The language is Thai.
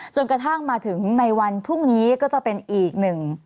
จนกระทั่งมาถึงในวันพรุ่งนี้ก็จะเป็นอีกหนึ่ง